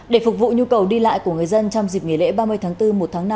để phục vụ nhu cầu đi lại của người dân trong dịp nghỉ lễ ba mươi tháng bốn một tháng năm